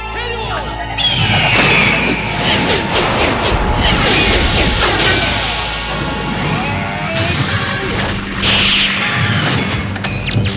kau akan terlepas